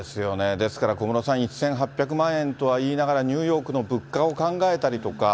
ですから小室さん、１８００万円と言いながらもニューヨークの物価を考えたりとか。